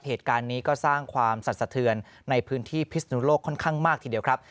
เหตุการณ์นี้ก็สร้างความสัดสะเทือนในพื้นที่พิศนุโลกค่อนข้างมากทีเดียวครับ